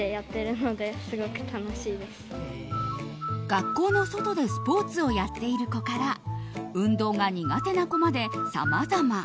学校の外でスポーツをやっている子から運動が苦手な子までさまざま。